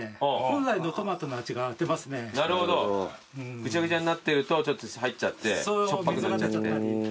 ぐちゃぐちゃになってると入っちゃってしょっぱくなっちゃって。